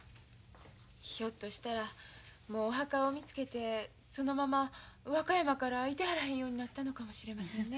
ひょっとしたらもうお墓を見つけてそのまま和歌山からいてはらへんようになったのかもしれませんね。